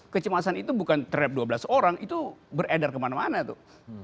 kecemasan itu bukan terhadap dua belas orang itu beredar kemana mana tuh